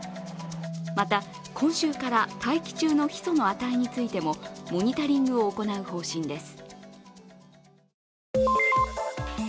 また今週から大気中のヒ素の値についてもモニタリングを行う方針です。